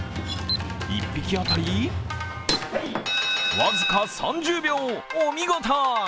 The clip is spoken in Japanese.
１匹当たり僅か３０秒、お見事！